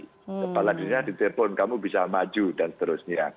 kepala dinas di telepon kamu bisa maju dan seterusnya